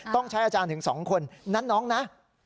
ต้องใช้อาจารย์ถึงสองคนนันนะ